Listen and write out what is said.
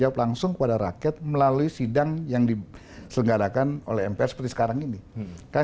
jawab langsung kepada rakyat melalui sidang yang di selenggarakan oleh mp seperti sekarang ini kan